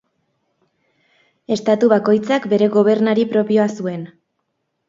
Estatu bakoitzak bere gobernari propioa zuen.